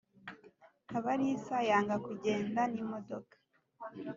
Kabarisa yanga kugenda nimodoka